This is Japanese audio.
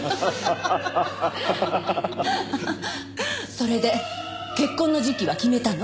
それで結婚の時期は決めたの？